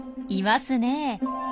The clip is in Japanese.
いますねえ。